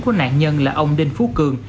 của nạn nhân là ông đinh phú cường